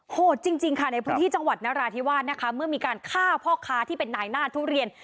โหดจริงค่ะในพื้นที่จังหวัดนราธิวาสนะคะเมื่อมีการฆ่าพ่อค้าที่เป็นนายหน้าทุเรียน